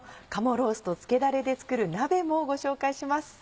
ロースとつけだれで作る鍋もご紹介します。